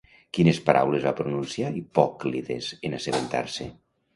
Quines paraules va pronunciar Hipòclides en assabentar-se?